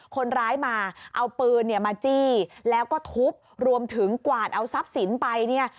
คนร้ายมาเอาปืนเนี่ยมาจี้แล้วก็ทุบรวมถึงกวาดเอาทรัพย์สินไปเนี่ย